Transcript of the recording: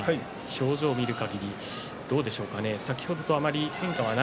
表情を見るかぎりどうでしょうか。